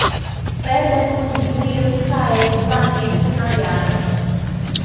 Peterson, Giulia, Micaela, Wanessa e Nayara